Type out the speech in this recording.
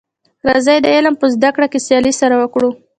راځی د علم په زده کړه کي سیالي سره وکړو.